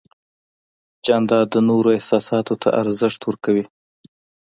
جانداد د نورو احساساتو ته ارزښت ورکوي.